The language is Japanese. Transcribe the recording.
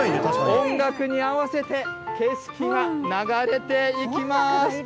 音楽に合わせて、景色が流れていきます。